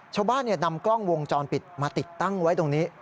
ชาวบ้านนำกล้องวงจรปิดมาติดตั้งไว้ตรงนี้